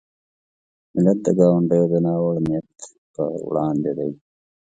ملت د ګاونډیو د ناوړه نیت په وړاندې دی.